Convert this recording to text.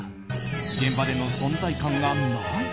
現場での存在感がない。